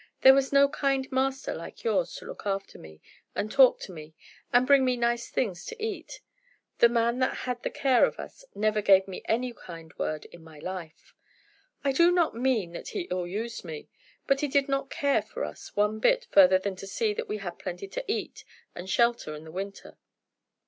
There was no kind master like yours to look after me, and talk to me, and bring me nice things to eat. The man that had the care of us never gave me a kind word in my life. I do not mean that he ill used me, but he did not care for us one bit further than to see that we had plenty to eat, and shelter in the winter.